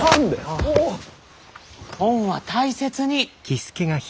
本は大切に！